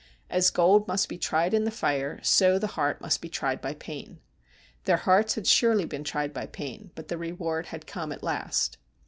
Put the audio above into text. ' As gold must be tried in the fire, so the heart must be tried by pain.' Their hearts had surely been tried by pain, but the reward had come at last.